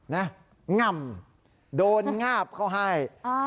ง่ำโดนงาบเขาให้